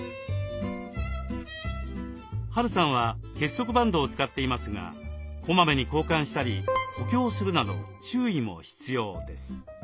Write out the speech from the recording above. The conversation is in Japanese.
Ｈ・Ａ・Ｒ・Ｕさんは結束バンドを使っていますがこまめに交換したり補強するなど注意も必要です。